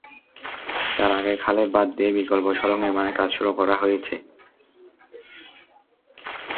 তার আগে খালে বাঁধ দিয়ে বিকল্প সড়ক নির্মাণের কাজ শুরু করা হয়েছে।